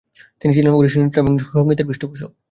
তিনি ছিলেন ওড়িশি নৃত্য এবং সংগীতের পৃষ্ঠপোষক।